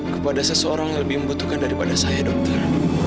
kepada seseorang yang lebih membutuhkan daripada saya dokter